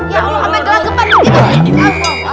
ya allah pak ustad